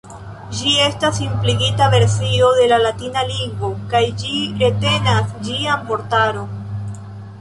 Ĝi estas simpligita versio de la latina lingvo, kaj ĝi retenas ĝian vortaron.